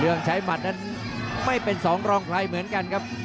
เรื่องใช้มัดนั้นไม่เป็น๒รองไครเหมือนกันครับ